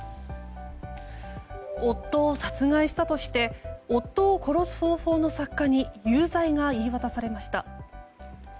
夫を殺害したとして「夫を殺す方法」の作家に有罪が言い渡されました。